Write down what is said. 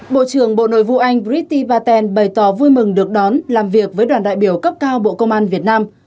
bộ trưởng bộ nội vụ anh brity paten bày tỏ vui mừng được đón làm việc với đoàn đại biểu cấp cao bộ công an việt nam